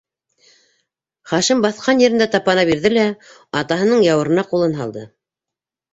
Хашим, баҫҡан ерендә тапана бирҙе лә атаһының яурынына ҡулын һалды: